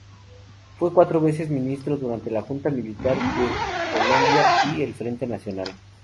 Fue cuatro veces ministro durante la Junta Militar de Colombia y el Frente Nacional.